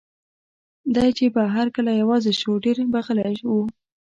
دی چې به هر کله یوازې شو، ډېر به غلی و.